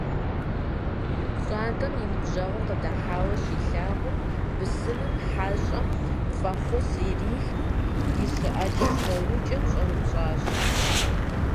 ПщӀантӀэм и ныбжьэгъур къыдыхьауэ щилъагъум, бысымым хьэщӀэм фӀэхъус ирихри, и щыӀэкӀэ-псэукӀэм щӀэупщӀащ.